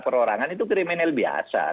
perorangan itu kriminal biasa